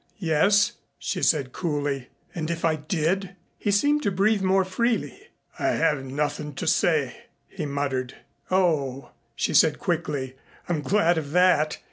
"Yes," she said coolly. "And if I did?" He seemed to breathe more freely. "I have nothing to say," he muttered. "Oh," she said quickly, "I'm glad of that.